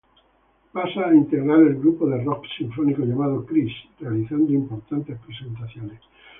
Pasa a integrar el grupo de rock sinfónico llamado "Chris", realizando importantes presentaciones.